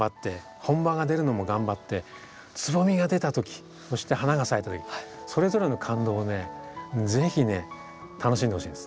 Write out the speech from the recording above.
本葉が出るのも頑張ってつぼみが出た時そして花が咲いた時それぞれの感動をね是非ね楽しんでほしいんです。